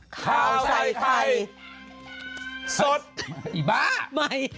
เขาใส่ไข่สดไอ้บ้า